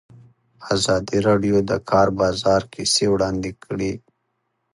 ازادي راډیو د د کار بازار کیسې وړاندې کړي.